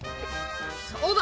そうだ！